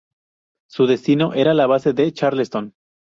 Su destino era la Base de Charlestón.